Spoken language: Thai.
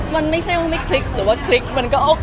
มันไม่ใช่ว่าไม่คลิกหรือว่าคลิกมันก็เอา